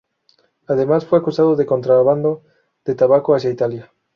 Además, fue acusado de contrabando de tabaco hacia Italia.